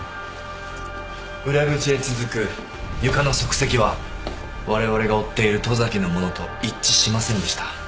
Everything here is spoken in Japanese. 裏口へ続く床の足跡はわれわれが追っている十崎のものと一致しませんでした。